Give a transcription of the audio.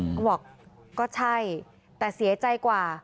เขาบอกก็ใช่แต่เสียใจกว่า